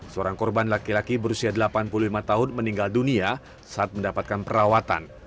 seorang korban laki laki berusia delapan puluh lima tahun meninggal dunia saat mendapatkan perawatan